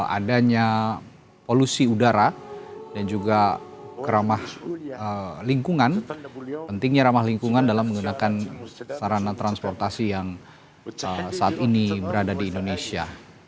adanya polusi udara dan juga keramah lingkungan pentingnya ramah lingkungan dalam menggunakan sarana transportasi yang saat ini berada di indonesia